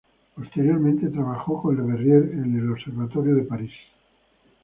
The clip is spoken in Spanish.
Posteriormente trabajó con Le Verrier en el observatorio de París.